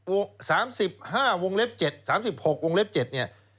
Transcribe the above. ๓๕วงเล็บ๗๓๖วงเล็บ๗เนี่ย